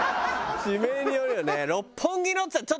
地名によるよね。